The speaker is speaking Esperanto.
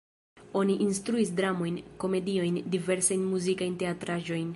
Oni instruis dramojn, komediojn, diversajn muzikajn teatraĵojn.